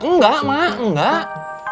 nggak ma nggak